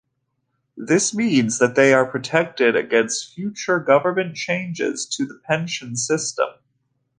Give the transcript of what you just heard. This means that they are protected against future government changes to the pension system.